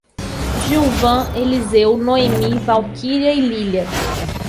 Gilvan, Eliseu, Noemi, Valquíria e Lílian